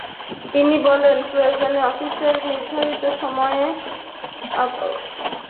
তিনি বলেছেন, প্রয়োজনে অফিসের নির্ধারিত সময়ের পরও অতিরিক্ত সময় দিতে হবে।